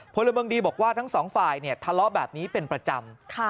พลเมืองดีบอกว่าทั้งสองฝ่ายทะเลาะแบบนี้เป็นประจำ